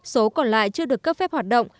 số còn lại chưa được cấp phép hoạt động